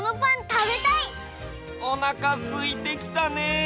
おなかすいてきたね！